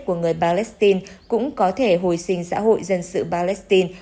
của người palestine cũng có thể hồi sinh xã hội dân sự palestine